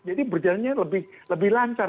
jadi berjalannya lebih lancar